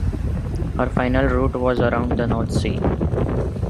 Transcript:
Her final route was around the North Sea.